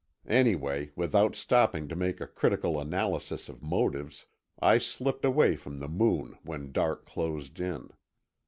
Anyway, without stopping to make a critical analysis of motives, I slipped away from the Moon when dark closed in.